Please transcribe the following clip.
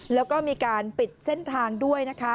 แล้วก็มีการปิดเส้นทางด้วยนะคะ